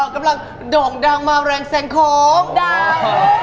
กำลังโด่งดังมาแรงแสงของดาวรุ่ง